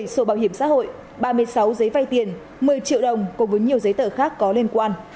một mươi sổ bảo hiểm xã hội ba mươi sáu giấy vay tiền một mươi triệu đồng cùng với nhiều giấy tờ khác có liên quan